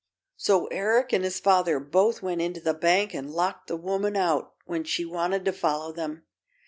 So Eric and his father both went into the bank and locked the woman out when she wanted to follow them.